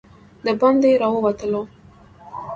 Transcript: د باندې راووتلو.